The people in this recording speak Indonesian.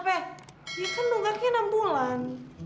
ya kan nunggaknya enam bulan